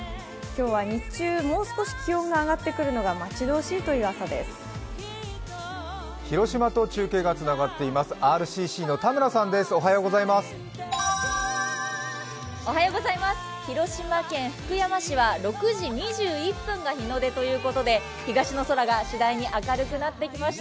今日は日中もう少し気温が上がってくるのが待ち遠しいという朝です。